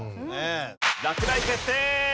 落第決定！